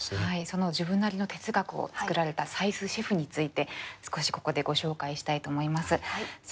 その自分なりの哲学を作られた斉須シェフについて少しここでご紹介したいと思います。